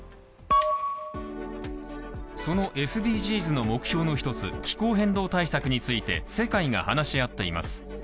そのＳＤＧｓの目標の一つ、気候変動対策について世界が話し合っています。